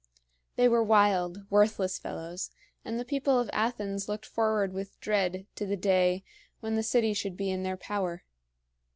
They were wild, worthless fellows, and the people of Athens looked forward with dread to the day when the city should be in their power.